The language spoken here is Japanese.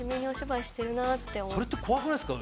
それって怖くないっすか？